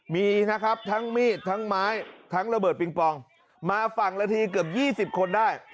มีนะครับทั้งมีดทั้งไม้ทั้งระเบิดปิงปองมาฝั่งละทีเกือบ๒๐คนได้